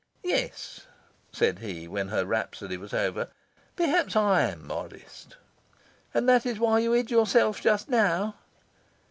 "Yes," said he, when her rhapsody was over, "perhaps I am modest." "And that is why you hid yourself just now?"